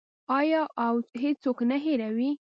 آیا او هیڅوک نه هیروي؟